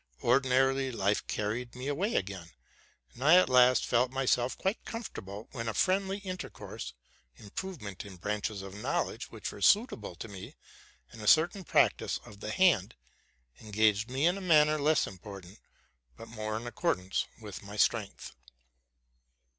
Ordinary life carried me away again ; and IT at last felt myself quite comfortable when a friendly inter course, improvement in branches of knowledge which were suitable for me, and a certain practice of the hand, engaged me in a manner less important, but more in accordance with my strength.